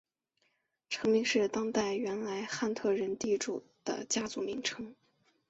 城名是当地原来汉特人地主的家族名称。